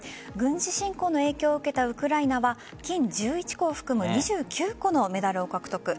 軍事侵攻の影響を受けたウクライナは金１１個を含む２９個のメダルを獲得。